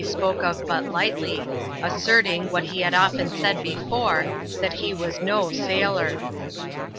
spoke of but lightly ; asserting, what he had often said before, that he was no sailor.